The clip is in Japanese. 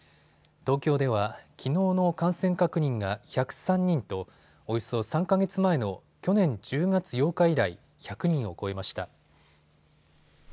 東京では、きのうの感染確認が１０３人とおよそ３か月前の去年１０月８日以来、１００人を超えました。